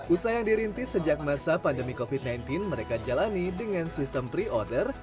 usaha yang dirintis sejak masa pandemi covid sembilan belas mereka jalani dengan sistem pre order